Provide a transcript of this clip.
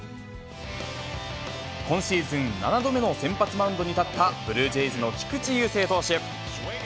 今シーズン、７度目の先発マウンドに立ったブルージェイズの菊池雄星投手。